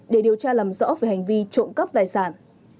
để điều tra làm rõ về hành vi trộm cắp tài sản